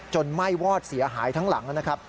ไหม้วอดเสียหายทั้งหลังนะครับ